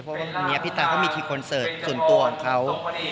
เพราะว่าวันนี้พี่ตาก็มีทีคอนเสิร์ตส่วนตัวของเขา